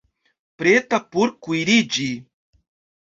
Preta por kuiriĝi